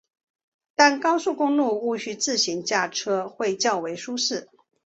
但高速铁路毋须自行驾车会较为舒适。